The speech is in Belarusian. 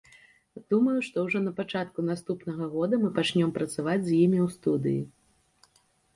Думаю, што ўжо на пачатку наступнага года мы пачнём працаваць з імі ў студыі.